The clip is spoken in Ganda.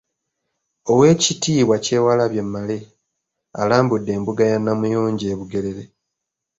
Oweekitiibwa Kyewalabye Male alambudde embuga ya Namuyonjo e Bugerere.